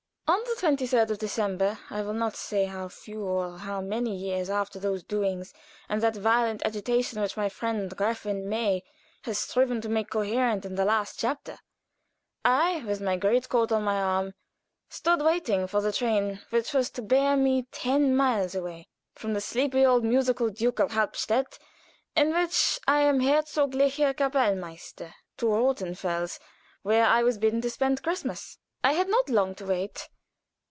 On the 23d of December I will not say how few or how many years after those doings and that violent agitation which my friend Gräfin May has striven to make coherent in the last chapter I, with my great coat on my arm, stood waiting for the train which was to bear me ten miles away from the sleepy old musical ducal Hauptstadt, in which I am Herzoglicher Kapellmeister, to Rothenfels, where I was bidden to spend Christmas. I had not long to wait.